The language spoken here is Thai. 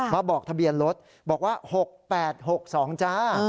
มาบอกทะเบียนรถบอกว่า๖๘๖๒จ้า